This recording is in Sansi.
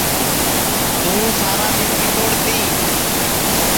توں سارا دؔن کِتوڑ تی